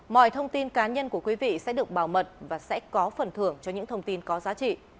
mọi thông tin cá nhân của quý vị sẽ được bảo mật và sẽ có phần thưởng cho những thông tin có giá trị